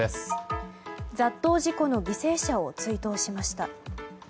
雑踏事故の犠牲者を追悼しました。